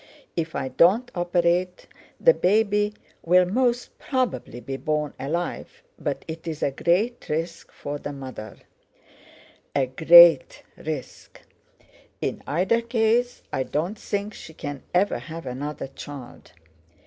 If I don't operate, the baby will most probably be born alive, but it's a great risk for the mother—a great risk. In either case I don't think she can ever have another child.